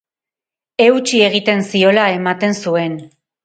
Eutsi egiten ziola ematen zuen.